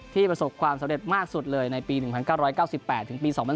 ประสบความสำเร็จมากสุดเลยในปี๑๙๙๘ถึงปี๒๐๑